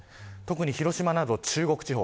特に広島など中国地方